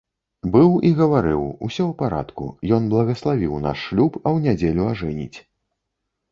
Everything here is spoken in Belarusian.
Быў і гаварыў, усё ў парадку, ён благаславіў наш шлюб, а ў нядзелю ажэніць.